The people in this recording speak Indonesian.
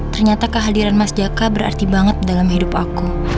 ternyata kehadiran mas jaka berarti banget dalam hidup aku